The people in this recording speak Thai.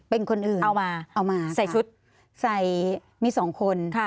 เป็นคนอื่น